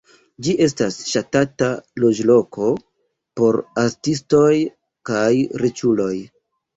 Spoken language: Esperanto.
Ĝi estas ŝatata loĝloko por artistoj kaj riĉuloj.